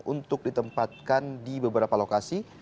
untuk ditempatkan di beberapa lokasi